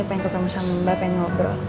pengen ketemu sama mbak pengen ngobrol